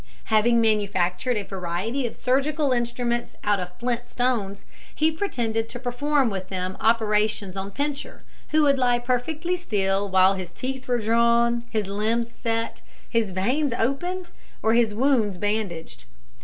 Having manufactured a variety of surgical instruments out of flint stones, he pretended to perform with them operations on Pincher, who would lie perfectly still while his teeth were drawn, his limbs set, his veins opened, or his wounds bandaged.